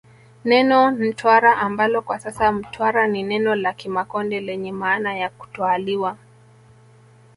Neno Ntwara ambalo kwa sasa Mtwara ni neno la Kimakonde lenye maana ya kutwaaliwa